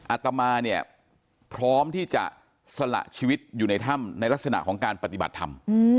อาตมาเนี่ยพร้อมที่จะสละชีวิตอยู่ในถ้ำในลักษณะของการปฏิบัติธรรม